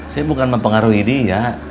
saya bukan mempengaruhi dia